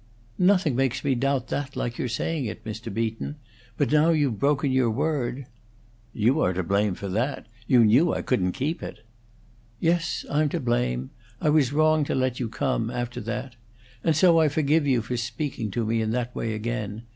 "Nothing makes me doubt that like your saying it, Mr. Beaton. But now you've broken your word " "You are to blame for that. You knew I couldn't keep it!" "Yes, I'm to blame. I was wrong to let you come after that. And so I forgive you for speaking to me in that way again.